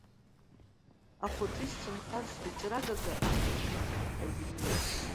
Ахәаҿы исцәынхаз схәыҷра агага, иахьагьы гәаныла ҳаигәныҩуеит.